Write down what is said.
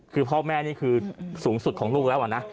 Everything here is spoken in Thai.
คือพ่อแม่นี่คือสูงสุดของลูกแล้วนะ